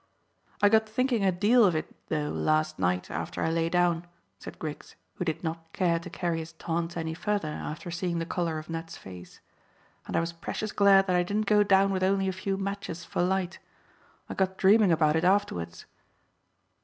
"I got thinking a deal of it though last night after I lay down," said Griggs, who did not care to carry his taunts any further after seeing the colour of Ned's face, "and I was precious glad that I didn't go down with only a few matches for light. I got dreaming about it afterwards."